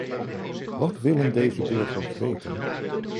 Wat willen deze burgers weten?